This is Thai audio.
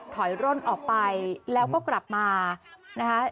ถอยร่นออกไปแล้วก็กลับมานะคะ